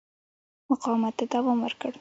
مقاومت ته دوام ورکړ.